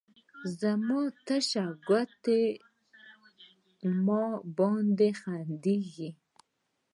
زما تشه کوټه، ما باندې خندیږې